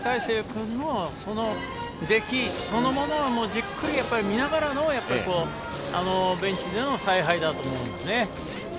君のできそのものをじっくり見ながらのベンチでの采配だと思います。